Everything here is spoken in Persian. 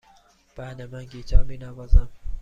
بله، من گیتار می نوازم.